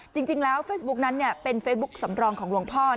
จริงแล้วเฟซบุ๊กนั้นเป็นเฟซบุ๊คสำรองของหลวงพ่อ